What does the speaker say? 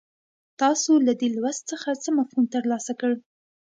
تاسو له دې لوست څخه څه مفهوم ترلاسه کړ.